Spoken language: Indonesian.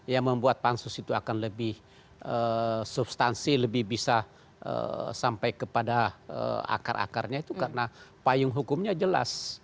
yang membuat pansus itu akan lebih substansi lebih bisa sampai kepada akar akarnya itu karena payung hukumnya jelas